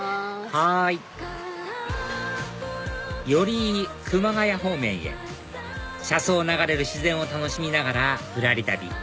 はい寄居熊谷方面へ車窓を流れる自然を楽しみながらぶらり旅